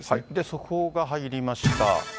速報が入りました。